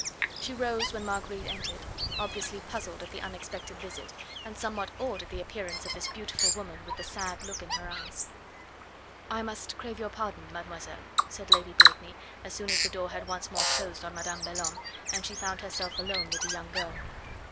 She rose when Marguerite entered, obviously puzzled at the unexpected visit, and somewhat awed at the appearance of this beautiful woman with the sad look in her eyes. "I must crave your pardon, mademoiselle," said Lady Blakeney as soon as the door had once more closed on Madame Belhomme, and she found herself alone with the young girl.